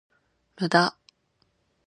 無駄